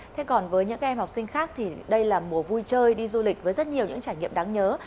thế còn với những em học sinh khác thì đây là mùa vui chơi đi du lịch với rất nhiều những trải nghiệm đáng nhớ